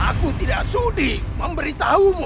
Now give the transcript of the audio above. aku tidak sudik memberitahumu